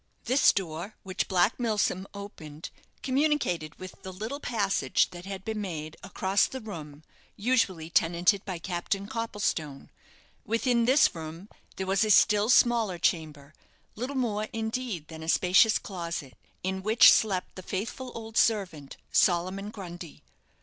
This door, which Black Milsom opened, communicated with the little passage that had been made across the room usually tenanted by Captain Copplestone. Within this room there was a still smaller chamber little more, indeed, than a spacious closet in which slept the faithful old servant, Solomon Grundy.